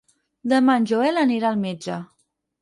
Demà en Joel anirà al metge.